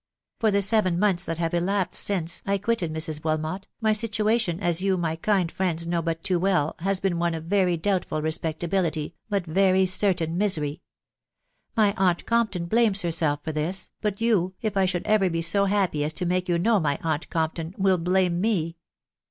For the seven, months that have elapsed since' I quitted Mrs.Wilmot, my situ ation, as you, my kind friends, know but too well, has been one of very doubtful respectability, but very certain misery. My aunt Compton blames herself for this ; but you, if I should ever be so happy aa to make you know my aunt Compton, will blame me.